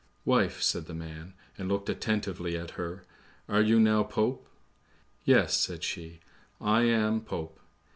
"Wife," said the man, and looked attentively at her, "are you now Pope?" "Yes," said she, "I am Pope."